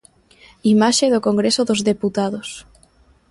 Imaxe do Congreso dos Deputados.